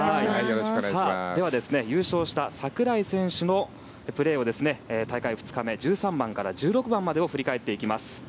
では優勝した櫻井選手のプレーを大会２日目１３番から１６番までを振り返っていきます。